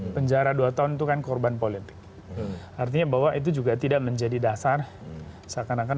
penjara dua tahun itu kan korban politik artinya bahwa itu juga tidak menjadi dasar seakan akan